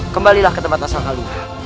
kembalilah ke tempat asal kalu